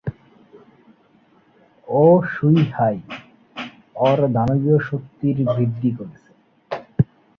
ও শুহুয়াই, ওর দানবীয় শক্তির বৃদ্ধি করছে।